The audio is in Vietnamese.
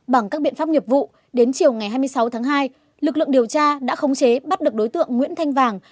bằng các biện pháp nghiệp vụ đến chiều ngày hai mươi sáu tháng hai lực lượng điều tra đã khống chế bắt được đối tượng nguyễn thanh vàng